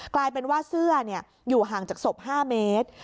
กลายเป็นว่าเสื้ออยู่ห่างจากศพ๕เมตร